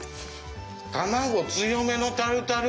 卵強めのタルタル！